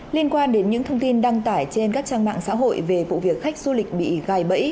liên quan đến những thông tin đăng tải trên các trang mạng xã hội về vụ việc khách du lịch bị gài bẫy